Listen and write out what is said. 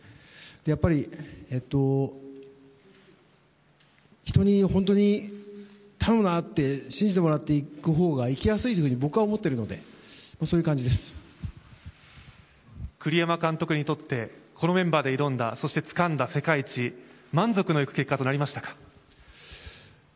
やっぱり人に本当に頼むなって信じてもらっていくほうがいきやすいと僕は思っているので栗山監督にとってこのメンバーで挑んだそして、つかんだ世界一満足のいく結果となりましたか？